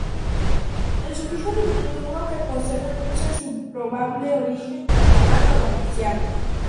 El sufijo diminutivo que posee denuncia su probable origen catalán o valenciano.